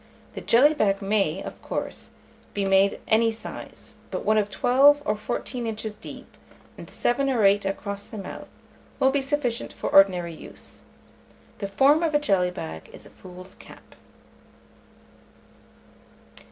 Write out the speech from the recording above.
The jelly bag may, of coarse, be made any size; but one of twelve or fourteen inches deep, and seven or eight across the mouth, will be sufficient for ordinary use. The form of a jelly bag is the fool's cap.